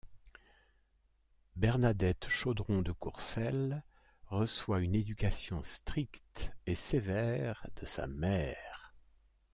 Bernadette Chodron de Courcel reçoit une éducation stricte et sévère de sa mère.